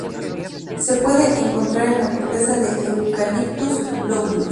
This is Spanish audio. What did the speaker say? Se puede encontrar en la corteza de "Eucalyptus globulus".